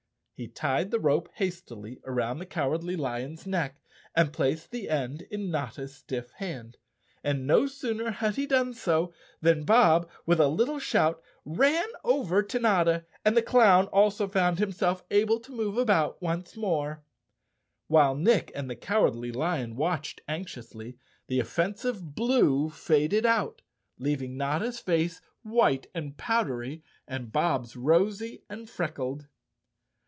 He tied the rope hastily around the Cow¬ ardly Lion's neck and placed the end in Notta's stiff hand. And no sooner had he done so than Bob, with a little shout, ran over to Notta and the clown also found 185 The Cowardly Lion of Qz _ himself able to move about once morel While Nick and the Cowardly Lion watched anxiously, the offensive blue faded out, leaving Notta's face white and powdery and Bob's rosy and freckled.